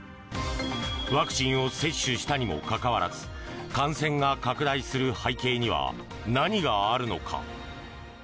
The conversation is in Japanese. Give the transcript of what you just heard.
ワクチンを接種したにもかかわらず感染が拡大する背景には何があるのか。